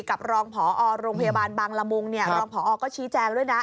รองผอโรงพยาบาลบางละมุงรองผอก็ชี้แจงด้วยนะ